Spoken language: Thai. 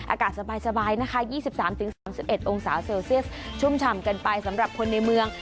อากาศสบายนะคะยี่สิบสามถึงสามสิบเอ็ดองสาวเซลเซลเซียสชุ่มฉ่ำกันไปสำหรับคนในเมือง